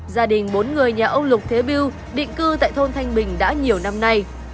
gia đình bốn người nhà ông lục thế biêu định cư tại thôn thanh bình đã nhiều năm nay